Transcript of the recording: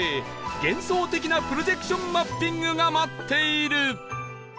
幻想的なプロジェクションマッピングが待っている